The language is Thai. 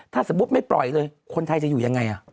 ถ้าสมมุติไม่ปล่อยเลยคนไทยจะอยู่ยังไง